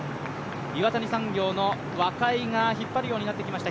岩谷産業の若井が引っ張るようになってきました。